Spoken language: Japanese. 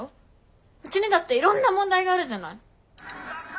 うちにだっていろんな問題があるじゃない。